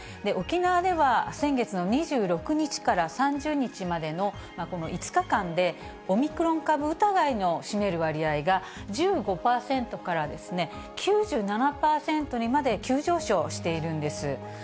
沖縄では先月の２６日から３０日までのこの５日間で、オミクロン株疑いの占める割合が、１５％から９７％にまで急上昇しているんです。